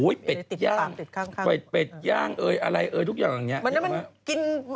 โอ้โหเบ็ดย่างอะไรทุกอย่างอย่างนี้